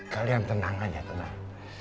kalian tenang aja tenang